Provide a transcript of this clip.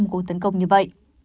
một cuộc tấn công như vậy